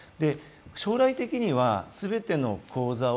将来的には全ての口座を